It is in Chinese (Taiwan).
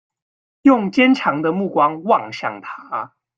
用堅強的目光望向他